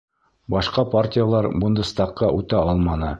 Башҡа партиялар Бундестагка үтә алманы.